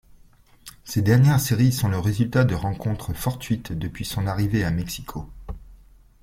Ses dernières séries sont le résultat de rencontres fortuites depuis son arrivée à Mexico.